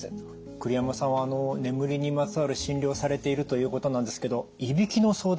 栗山さんは眠りにまつわる診療をされているということなんですけどいびきの相談